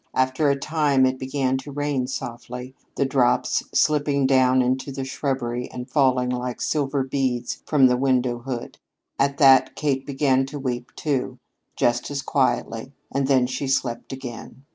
After a time it began to rain softly, the drops slipping down into the shrubbery and falling like silver beads from the window hood. At that Kate began to weep, too, just as quietly, and then she slept again.